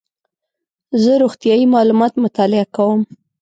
زه روغتیایي معلومات مطالعه کوم.